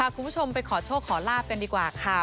คุณผู้ชมไปขอโชคขอลาบกันดีกว่าค่ะ